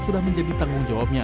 sudah menjadi tanggung jawabnya